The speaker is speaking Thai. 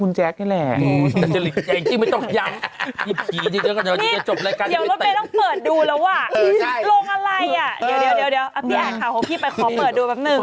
พี่แอดข่าวของพี่ไปขอเปิดดูแป๊บหนึ่ง